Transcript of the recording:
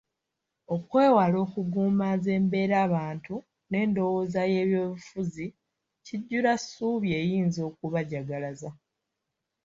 Okwewala okuguumaaza embeerabantu n’endowooza y’ebyobufuzi, kijjulassuubi eyinza okubajagalaza.